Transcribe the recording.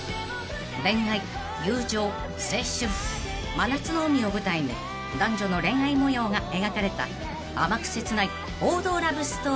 ［真夏の海を舞台に男女の恋愛模様が描かれた甘く切ない王道ラブストーリー］